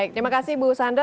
terima kasih ibu sandra